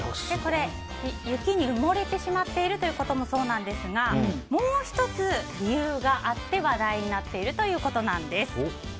雪に埋もれてしまっているということもそうなんですがもう１つ、理由があって話題になっているということなんです。